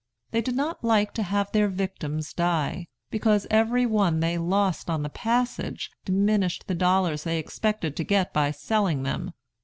They did not like to have their victims die, because every one they lost on the passage diminished the dollars they expected to get by selling them.